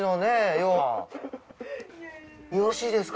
よろしいですか？